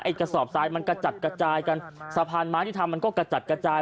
กระสอบทรายมันกระจัดกระจายกันสะพานไม้ที่ทำมันก็กระจัดกระจาย